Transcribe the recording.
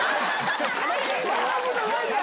そんなことないですよ。